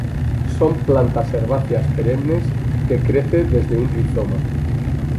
Son plantas herbáceas perennes que crece desde un rizoma.